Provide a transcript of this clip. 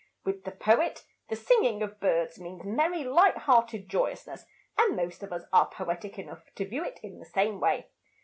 With the poet, the singing of birds means merry, light hearted joyousness, and most of us are poetic enough to view it in the same way.